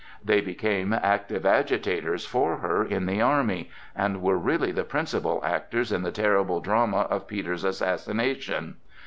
They became active agitators for her in the army, and were really the principal actors in the terrible drama of Peter's assassination.